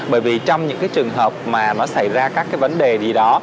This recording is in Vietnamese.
bởi vì trong những cái trường hợp mà nó xảy ra các cái vấn đề gì đó